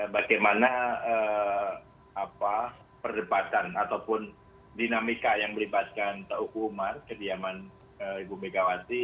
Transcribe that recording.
bagaimana perdebatan ataupun dinamika yang melibatkan tauku umar kediaman ibu megawati